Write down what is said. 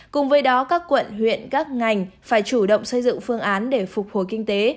cùng với đó các quận huyện các ngành phải chủ động xây dựng phương án để phục hồi kinh tế